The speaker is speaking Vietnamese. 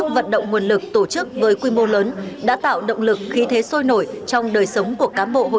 các động lực xuyên định tổ chức đã tạo năng lực khí thế sôi nổi trong đời sống của cán bộ hội viên phụ nữ